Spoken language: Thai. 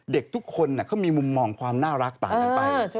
เด็กทุกคนเขามีมุมมองความน่ารักต่างกันไป